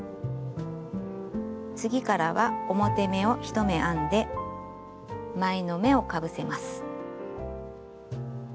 次からは表目を１目編んで前の目をかぶせます。